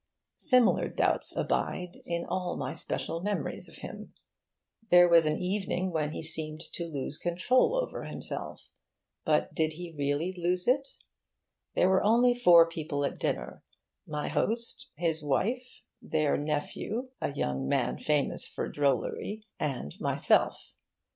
Similar doubts abide in all my special memories of him. There was an evening when he seemed to lose control over himself but did he really lose it? There were only four people at dinner: my host, his wife, their nephew (a young man famous for drollery), and myself.